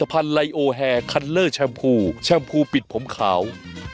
พันธไลโอแฮคันเลอร์แชมพูแชมพูปิดผมขาว